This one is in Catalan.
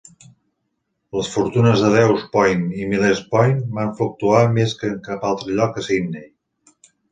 Les fortunes de Dawes Point i Millers Point van fluctuar més que en cap altre lloc a Sydney.